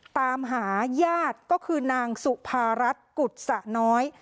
ตามหาญาติก็คือนางสุภารัฐกุศะน้อย